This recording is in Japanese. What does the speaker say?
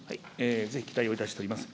ぜひ期待をいたしております。